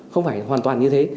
không phải hoàn toàn như thế